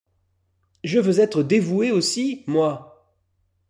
Je veux être dévouée aussi, moi!